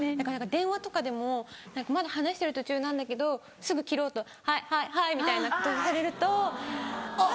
電話とかでもまだ話してる途中なんだけどすぐ切ろうと「はいはいはい」みたいなことをされるとうわ！